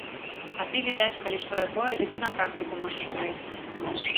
А ты, відаць, калі што якое, дык і на практыку можаш перайсці.